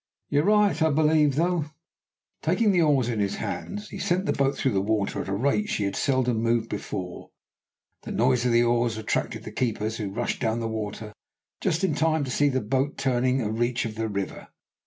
You're right, I believe, though." Taking the oars in his hands, he sent the boat through the water at a rate she had seldom moved before. The noise of the oars attracted the keepers, who rushed down to the water just in time to see the boat turning a reach of the river.